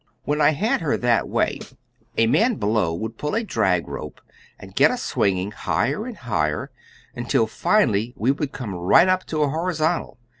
"When I had her that way, a man below would pull a drag rope and get us swinging higher and higher, until finally we would come right up to a horizontal.